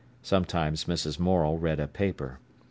Sometimes Mrs. Morel read a paper.